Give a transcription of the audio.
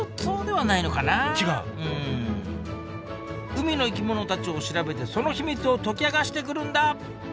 海の生き物たちを調べてその秘密を解き明かしてくるんだ！